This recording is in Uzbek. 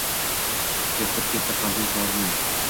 Chertib ketdi qalbim torini